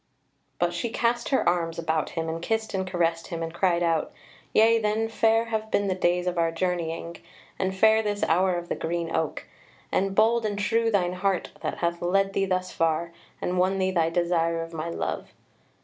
But she cast her arms about him and kissed and caressed him, and cried out: "Yea, then fair have been the days of our journeying, and fair this hour of the green oak! And bold and true thine heart that hath led thee thus far, and won thee thy desire of my love."